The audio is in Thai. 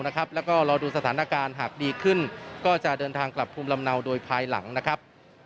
แล้วก็รอดูสถานการณ์หากดีขึ้นก็จะเดินทางกลับภูมิลำเนาโดยภายหลังนะครับ